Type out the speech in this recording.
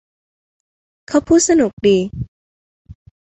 เขาพูดสนุกดี